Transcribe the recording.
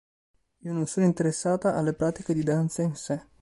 Io non sono interessata alle pratiche di danza in sé.